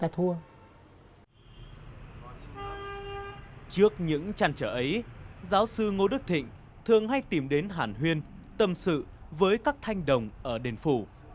trước những trăn trở ấy giáo sư ngô đức thịnh thường hay tìm đến hàn huyên tâm sự với các thanh đồng ở đền phủ